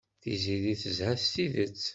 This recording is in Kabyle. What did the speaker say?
Tiziri tezha s tidet.